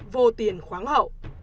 vô tiền khoáng hậu